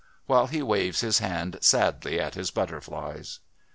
while he waves his hand sadly at his butterflies."